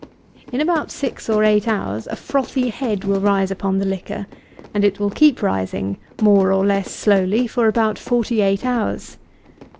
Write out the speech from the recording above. In about six or eight hours, a frothy head will rise upon the liquor; and it will keep rising, more or less slowly, for about forty eight hours.